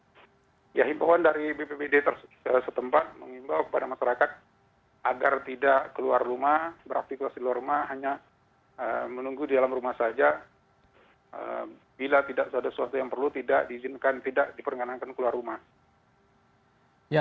apakah ada hibauan dari pemerintah setempat kepada masyarakat dan juga warga di sana